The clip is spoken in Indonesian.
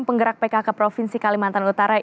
penggerak pkk provinsi kalimantan utara